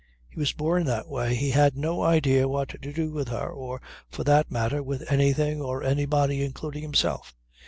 He was born that way. He had no idea what to do with her or for that matter with anything or anybody including himself.